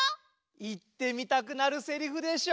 言ってみたくなるせりふでしょ？